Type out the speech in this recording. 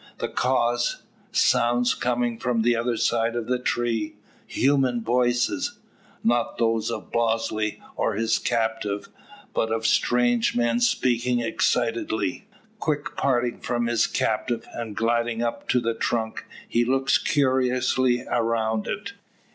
The cause: sounds coming from the other side of the tree; human voices! Not those of Bosley, or his captive; but of strange men speaking excitedly! Quick parting from his captive, and gliding up to the trunk, he looks cautiously around it.